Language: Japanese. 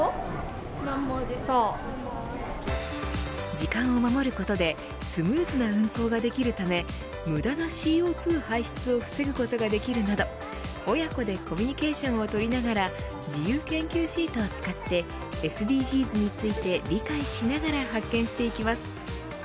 時間を守ることでスムーズな運航ができるため無駄なＣＯ２排出を防ぐことができるなど親子でコミュニケーションを取りながら自由研究シートを使ってＳＤＧｓについて理解しながら発見していきます。